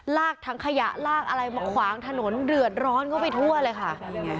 ลากถังขยะลากอะไรมาขวางถนนเดือดร้อนเข้าไปทั่วเลยค่ะ